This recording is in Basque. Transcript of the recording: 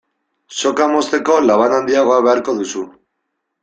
Soka mozteko laban handiago beharko duzu.